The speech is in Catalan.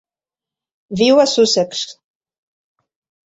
Viu a Sussex.